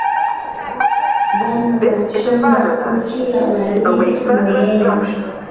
Vana va shanga huchia waridi nneeni.